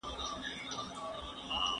ایا لارښود د مقالې پیلنۍ بڼه په ځیر کتلای سي؟